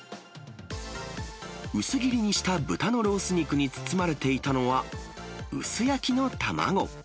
薄切りにした豚のロース肉に包まれていたのは、薄焼きの卵。